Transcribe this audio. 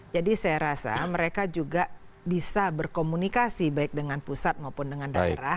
jadi saya rasa mereka juga bisa berkomunikasi baik dengan pusat maupun dengan daerah